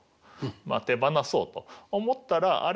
まあ手放そうと思ったら「あれ？